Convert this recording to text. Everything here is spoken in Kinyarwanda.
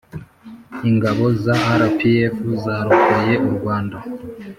ingabo za rpf zarokoye u rwanda